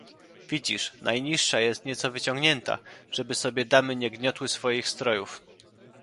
"Widzisz, najniższa jest nieco wyciągnięta, żeby sobie damy nie gniotły swoich strojów!"